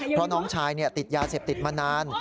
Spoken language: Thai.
เพราะน้องชายติดยาเสพติดมานาน